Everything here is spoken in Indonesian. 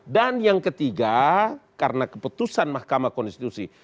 dan yang ketiga karena keputusan mahkamah konstitusi